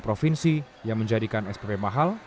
provinsi yang menjadikan spp mahal